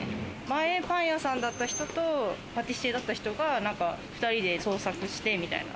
前パン屋さんだった人とパティシエだった人が２人で創作してみたいな。